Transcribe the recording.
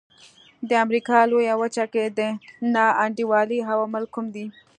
د امریکا لویه وچه کې د نا انډولۍ عوامل کوم دي.